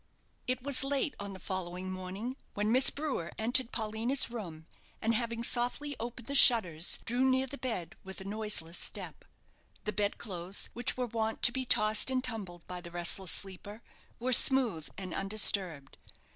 It was late on the following morning when Miss Brewer entered Paulina's room, and having softly opened the shutters, drew near the bed with a noiseless step. The bed clothes, which were wont to be tossed and tumbled by the restless sleeper, were smooth and undisturbed.